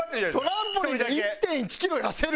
トランポリンで１．１キロ痩せる？